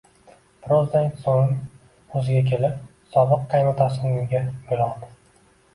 Birozdan so`ng o`ziga kelib, sobiq qaynotasining uyiga yo`l oldi